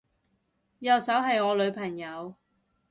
右手係我女朋友